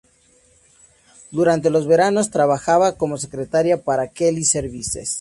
Durante los veranos, trabajaba como secretaria para Kelly Services.